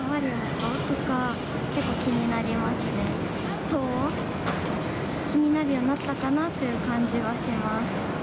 騒音、気になるようになったかなという感じはします。